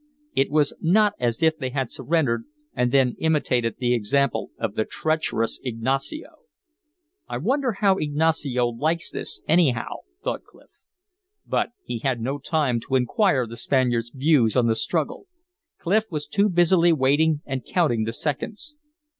It was not as if they had surrendered and then imitated the example of the treacherous Ignacio. "I wonder how Ignacio likes this anyhow," thought Clif. But he had no time to inquire the Spaniard's views on the struggle; Clif was too busily waiting and counting the seconds.